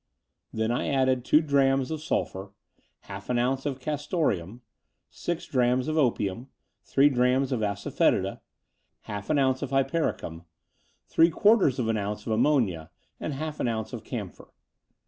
Then I added two drachms of sulphur, half an otmce of castoreum, six drachms of opium, three drachms of asafoetida, half an otmce of hypericum, three quarters of an otmce of ammonia, and half an ounce of camphor.